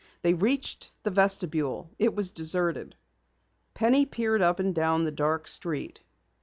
They reached the vestibule. It was deserted. Penny peered up and down the dark street.